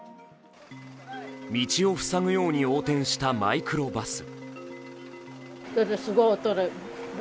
道を塞ぐように横転したマイクロバス。